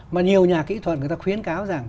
mà nhiều nhà kỹ thuật người ta khuyến cáo rằng